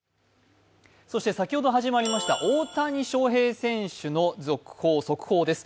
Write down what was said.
先ほど始まりました大谷翔平選手の速報です。